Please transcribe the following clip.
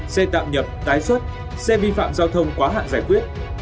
xe tạm nhập tái xuất xe vi phạm giao thông quá hạn giải quyết